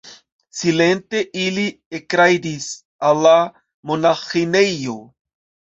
Silente ili ekrajdis al la monaĥinejo.